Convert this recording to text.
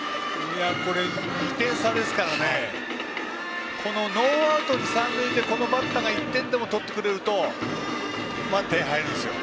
２点差ですからこのノーアウト二、三塁でこのバッターが１点でも取ってくれるとまだ点が入るんですよ。